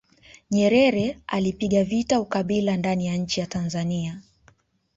nyerere alipiga vita ukabila ndani ya nchi ya tanzania